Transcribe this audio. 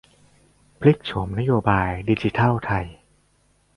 พลิกโฉมนโยบายดิจิทัลไทย